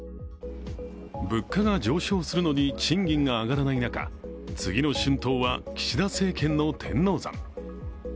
物価が上昇するのに賃金が上がらない中、次の春闘は岸田政権の天王山。